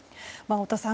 太田さん